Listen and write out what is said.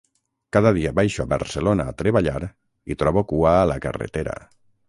Cada dia baixo a Barcelona a treballar i trobo cua a la carretera.